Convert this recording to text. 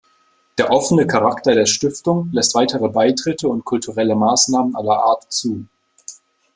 Der offene Charakter der Stiftung lässt weitere Beitritte und kulturelle Maßnahmen aller Art zu.